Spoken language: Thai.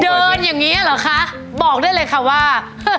เดินอย่างงี้หรอคะบอกด้วยเลยค่ะว่า